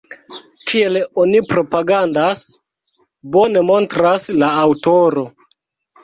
Kiel oni propagandas, bone montras la aŭtoro.